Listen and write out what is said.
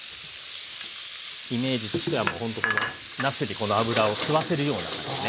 イメージとしてはもうほんとなすにこの脂を吸わせるような感じね。